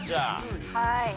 はい。